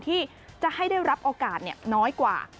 ที่จะให้ได้รับโอกาสน้อยกว่า